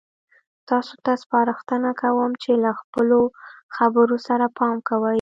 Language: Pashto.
تاسو ته سپارښتنه کوم چې له خپلو خبرو سره پام کوئ.